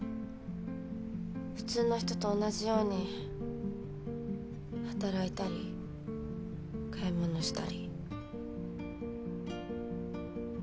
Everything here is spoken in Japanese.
普通の人と同じように働いたり買い物したり。